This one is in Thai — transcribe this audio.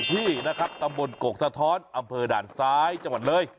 ที่หุบเขาภญาศุโครง